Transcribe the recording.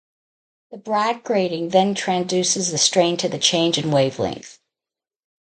The Bragg grating then transduces the strain to the change in wavelength.